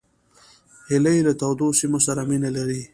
هیلۍ له تودو سیمو سره مینه لري